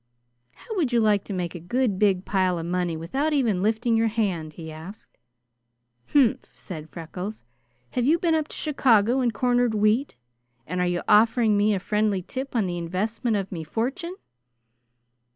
"How would you like to make a good big pile of money, without even lifting your hand?" he asked. "Humph!" said Freckles. "Have you been up to Chicago and cornered wheat, and are you offering me a friendly tip on the invistment of me fortune?"